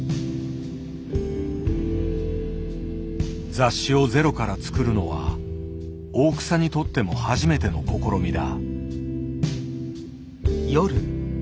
雑誌をゼロから作るのは大草にとっても初めての試みだ。